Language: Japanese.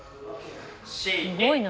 すごいな。